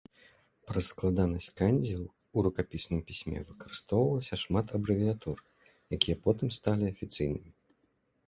Праз складанасць кандзі ў рукапісным пісьме выкарыстоўвалася шмат абрэвіятур, якія потым сталі афіцыйнымі.